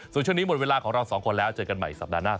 ส่วนช่วงนี้หมดเวลาของเราสองคนแล้วเจอกันใหม่สัปดาห์หน้า